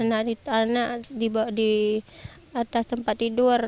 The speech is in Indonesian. anak dibawa di atas tempat tidur